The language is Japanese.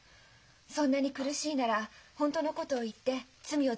そんなに苦しいなら本当のことを言って罪を償う方法も。